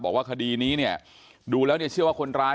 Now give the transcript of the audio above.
บอกว่าคดีนี้ดูแล้วจะเชื่อว่าคนร้าย